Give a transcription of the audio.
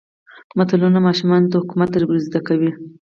متلونه ماشومانو ته حکمت ور زده کوي.